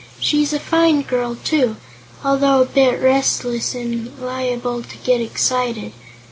"She's a fine girl, too, although a bit restless and liable to get excited.